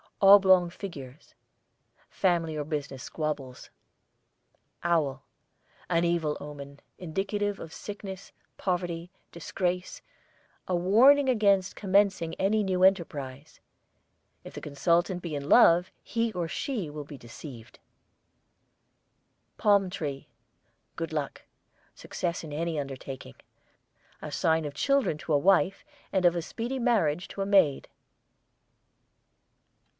OBLONG FIGURES, family or business squabbles. OWL, an evil omen, indicative of sickness, poverty, disgrace, a warning against commencing any new enterprise. If the consultant be in love he or she will be deceived. PALM TREE, good luck; success in any undertaking. A sign of children to a wife and of a speedy marriage to a maid.